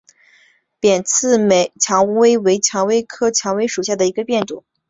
扁刺蔷薇为蔷薇科蔷薇属下的一个变种。